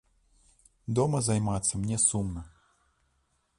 Дома займацца мне сумна.